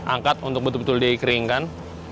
angkat untuk betul betul dikeringkan